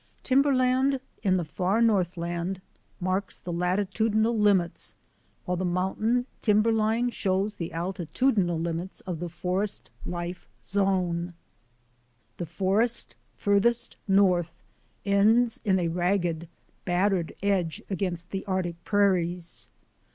Timberland in the far northland marks the lati tudinal limits, while the mountain timberline shows the altitudinal limits of the forest life zone. The forest farthest north ends in a ragged, battered edge against the Arctic prairies.